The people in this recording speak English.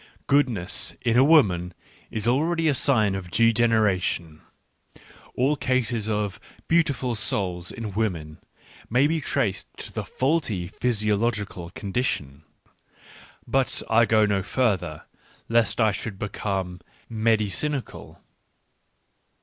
Goodness in a woman is already a sign of degenera tion. All cases of " beautiful souls " in women may be traced to a faulty physiological condition — but I go no further, lest I should become medicynical.